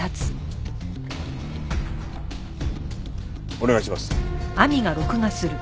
お願いします。